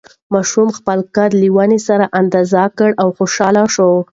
ماشوم خپل قد له ونې سره اندازه کړ او خوشحاله شو.